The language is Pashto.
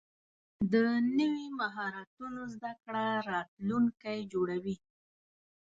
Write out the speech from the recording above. د نوي مهارتونو زده کړه راتلونکی جوړوي.